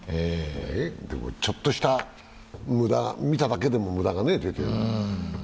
ちょっとした、見ただけでも無駄が出ている。